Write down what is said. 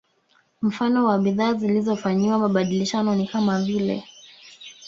Mfano wa bidhaa zilizofanyiwa mabadilishano ni kama vile